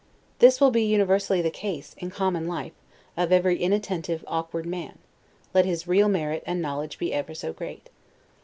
This will be universally the case, in common life, of every inattentive, awkward man, let his real merit and knowledge be ever so great.